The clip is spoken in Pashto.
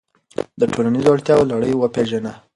د ټولنیزو اړتیاوو لړۍ وپیژنه.